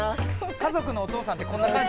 家族のお父さんってこんな感じ。